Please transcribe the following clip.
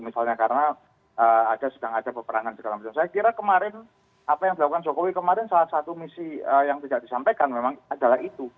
dan saya kira nanti akan kelihatan lah